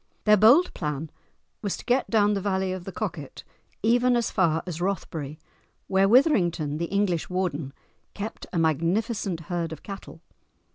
Their bold plan was to get down the valley of the Coquet even as far as Rothbury where Withrington, the English warden, kept a magnificent herd of cattle.